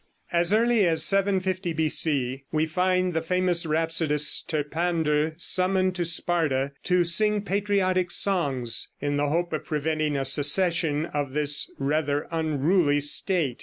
As early as 750 B.C. we find the famous rhapsodist, Terpander, summoned to Sparta to sing patriotic songs, in the hope of preventing a secession of this rather unruly state.